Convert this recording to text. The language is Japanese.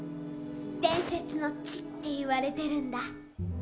伝説の地って言われてるんだ。